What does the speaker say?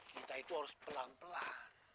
kita itu harus pelan pelan